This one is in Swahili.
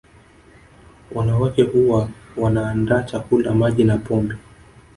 Wanawake huwa wanaandaa chakula Maji na pombe